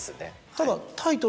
ただ。